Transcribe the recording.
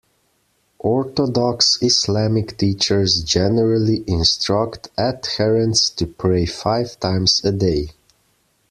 Orthodox Islamic teachers generally instruct adherents to pray five times a day.